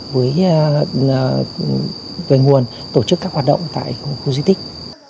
với về nguồn tổ chức các hoạt động tại khu di tích